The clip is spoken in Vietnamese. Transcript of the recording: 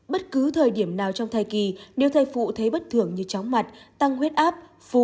bất cứ thời điểm nào trong thai kỳ nếu thay phụ thấy bất thường như chóng mặt tăng huyết áp phù